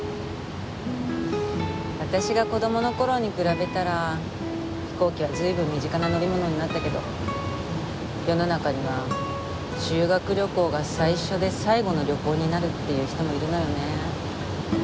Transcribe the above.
私が子供の頃に比べたら飛行機は随分身近な乗り物になったけど世の中には修学旅行が最初で最後の旅行になるっていう人もいるのよね。